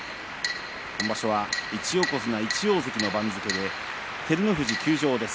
今場所は１横綱１大関の番付で照ノ富士休場です。